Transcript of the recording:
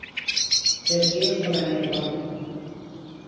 Desvíos pola néboa.